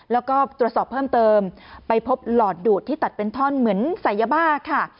แล้วก็ตรวจสอบเพิ่มเติมไปพบหลอดดูดที่ตัดเป็นท่อนเหมือนใส่ยาบ้าค่ะ